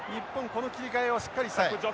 この切り替えをしっかりしたい。